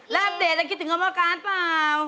แล้วอัพเดทคิดถึงประมาการณ์เปล่า